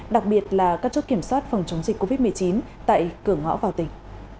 đặc biệt là các chốt kiểm soát phòng chống dịch covid một mươi chín tại cửa ngõ vào tỉnh